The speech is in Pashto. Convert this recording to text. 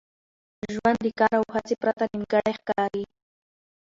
ژوند د کار او هڅي پرته نیمګړی ښکاري.